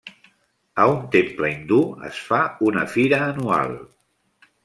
A un temple hindú es fa una fira anual.